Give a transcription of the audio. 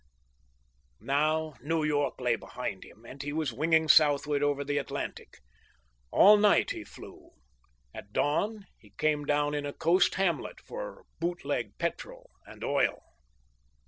Now New York lay behind him, and he was winging southward over the Atlantic. All night he flew. At dawn he came down in a coast hamlet for bootleg petrol and oil.